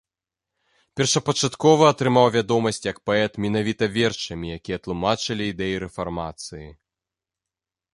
Першапачаткова атрымаў вядомасць як паэт менавіта вершамі, якія тлумачылі ідэі рэфармацыі.